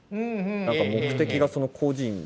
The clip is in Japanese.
目的がその個人